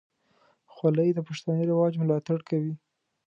خولۍ د پښتني رواج ملاتړ کوي.